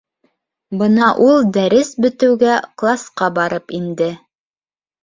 Бына ул дәрес бөтөүгә класҡа барып инде.